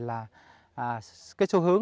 là cái xu hướng